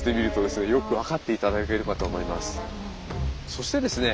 そしてですね